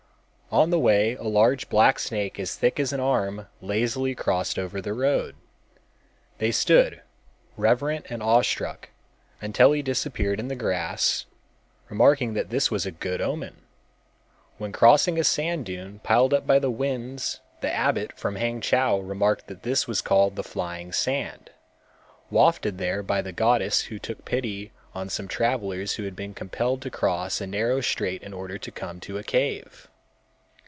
On the way a large black snake as thick as an arm lazily crossed over the road. They stood, reverent and awestruck, until he disappeared in the grass, remarking that this was a good omen. When crossing a sand dune piled up by the winds the abbot from Hangchow remarked that this was called the flying sand, wafted there by the goddess who took pity on some travelers who had been compelled to cross a narrow strait in order to come to a cave.